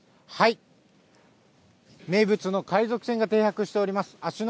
名物の海賊船が停泊しております、芦ノ